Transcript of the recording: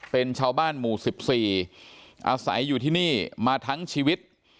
เป็นชาวบ้านหมู่๑๔อาศัยอยู่ที่นี่มาทั้งชีวิต